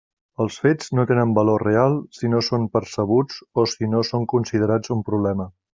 Els fets no tenen valor real si no són percebuts o si no són considerats un problema.